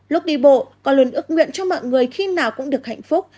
lúc đi bộ con luôn ước nguyện cho mọi người khi nào cũng được hạnh phúc